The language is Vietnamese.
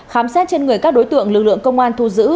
khám xét trên người các đối tượng lực lượng công an thu giữ